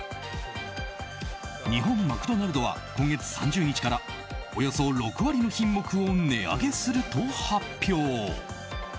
日本マクドナルドは今月３０日からおよそ６割の品目を値上げすると発表。